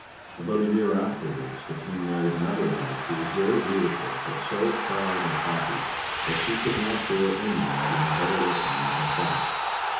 About a year afterwards the King married another wife, who was very beautiful, but so proud and haughty that she could not bear anyone to be better looking than herself.